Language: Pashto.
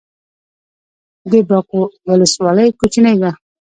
د باک ولسوالۍ کوچنۍ ده